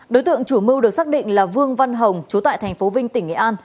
đối tượng chủ mưu được xác định là vương văn hồng chú tại tp vinh tỉnh nghệ an